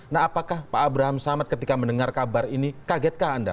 nah apakah pak abraham samad ketika mendengar kabar ini kagetkah anda